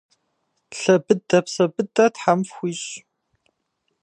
Лъэ быдэ, псэ быдэ Тхьэм фхуищӏ!